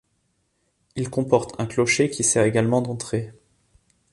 Il comporte un clocher qui sert également d'entrée.